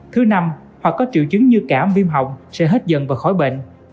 thứ năm hoặc có triệu chứng như cảm viêm hỏng sẽ hết dần và khỏi bệnh